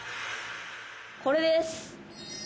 これです。